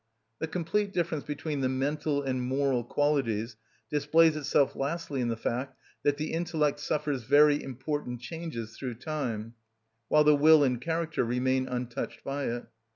The complete difference between the mental and moral qualities displays itself lastly in the fact that the intellect suffers very important changes through time, while the will and character remain untouched by it.